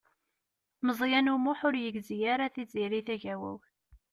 Meẓyan U Muḥ ur yegzi ara Tiziri Tagawawt.